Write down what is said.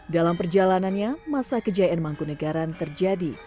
dalam perjalanannya masa kejayaan mangkunegaran terjadi